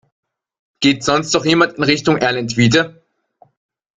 Geht sonst noch jemand in Richtung Erlentwiete?